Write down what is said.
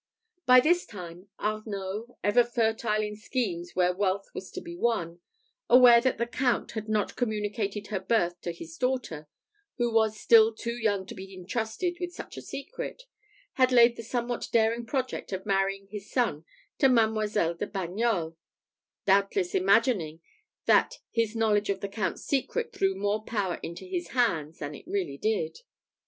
By this time, Arnault, ever fertile in schemes where wealth was to be won, aware that the Count had not communicated her birth to his daughter, who was still too young to be intrusted with such a secret, had laid the somewhat daring project of marrying his son to Mademoiselle de Bagnols; doubtless imagining that his knowledge of the Count's secret threw more power into his hands than it really did.